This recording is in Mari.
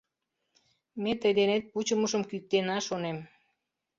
Ме тый денет пучымышым кӱыктена, шонем!»